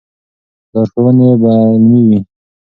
لارښوونې به علمي وي.